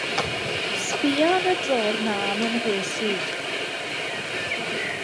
Sbïa yn y drôr 'na am 'y mhres i.